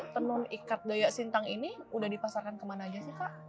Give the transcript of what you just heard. tenun ikat daya sintang ini udah dipasarkan kemana aja sih kak